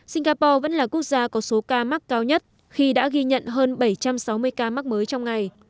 singapore vẫn là quốc gia có số ca mắc cao nhất khi đã ghi nhận hơn bảy trăm sáu mươi ca mắc mới trong ngày